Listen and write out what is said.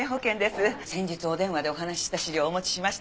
先日お電話でお話しした資料をお持ちしました。